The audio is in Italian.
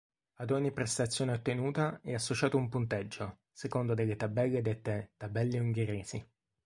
Ad ogni prestazione ottenuta è associato un punteggio, secondo delle tabelle dette tabelle ungheresi.